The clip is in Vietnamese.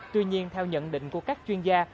tuy nhiên theo nhận định của các chuyên gia